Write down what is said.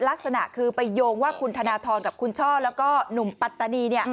ลักษณะคือไปโยงว่าคุณธนทรกับคุณช่อแล้วก็หนุ่มปัตตานี